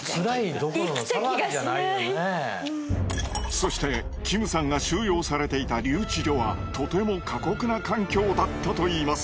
そしてキムさんが収容されていた留置所はとても過酷な環境だったといいます。